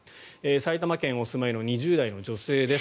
埼玉県にお住まいの２０代の女性です。